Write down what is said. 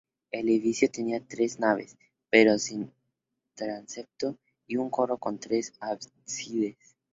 El edificio tenía tres naves, pero sin transepto, y un coro con tres ábsides.